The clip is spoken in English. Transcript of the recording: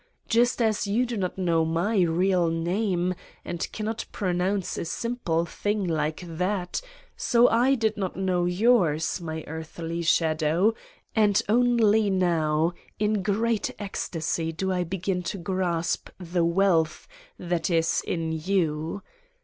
Just as you do not know my real Name and cannot pro nounce a simple thing like that, so I did not know yours, my earthly shadow, and only now, in great ecstasy do I begin to grasp the wealth that is in you.